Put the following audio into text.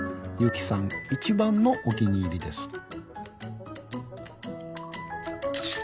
ゆきさん一番のお気に入りです。